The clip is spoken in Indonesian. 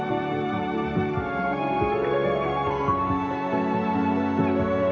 syukur aku sembahkan ke bawah dunia tua